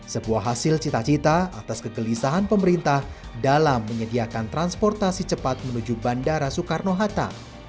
sebuah hasil cita cita atas kegelisahan pemerintah dalam menyediakan transportasi cepat menuju bandara soekarno hatta